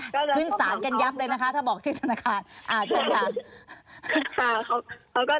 ขึ้นศาลกันยับเลยนะคะถ้าบอกชื่อธนาคาร